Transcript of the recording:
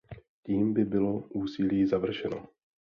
Tím by bylo úsilí završeno.